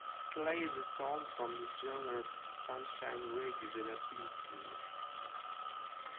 Play the song from the genre Sunshine Reggae that appeals to me.